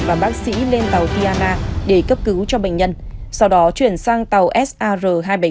và bác sĩ lên tàu piana để cấp cứu cho bệnh nhân sau đó chuyển sang tàu sar hai trăm bảy mươi năm